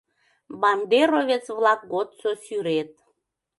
Бандеровец-влак годсо сӱрет.